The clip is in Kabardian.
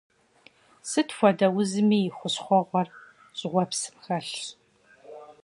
Сыт хуэдэ узми и хущхуэгъуэр щӏыуэпсым хэлъщ.